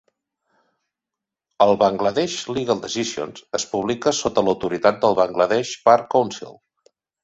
El "Bangladesh Legal Decisions" es publica sota l'autoritat del "Bangladesh Bar Council".